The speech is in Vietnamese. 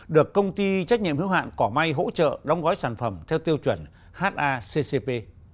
được công ty trách nhiệm hiếu hạn cỏ may hỗ trợ đóng gói sản phẩm theo tiêu chuẩn haccp